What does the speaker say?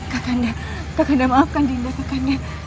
kak kanda kak kanda maafkan dinda kak kanda